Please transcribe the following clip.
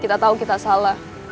kita tau kita salah